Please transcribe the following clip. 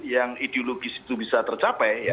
yang ideologis itu bisa tercapai